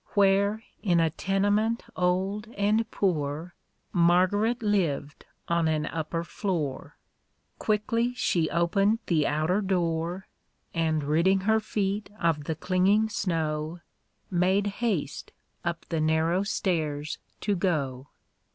Where, in a tenement old and poor, Margaret lived on an upper floor. Quickly she opened the outer door. And ridding her feet of the clinging snow. Made haste up the narrow stairs to go.